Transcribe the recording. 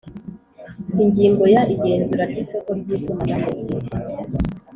Ingingo ya Igenzura ry isoko ry itumanaho